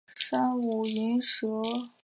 布列塔尼达尔马尼亚克人口变化图示